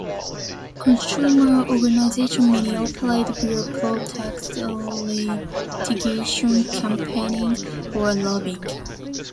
Consumer organizations may operate via protests, litigation, campaigning, or lobbying.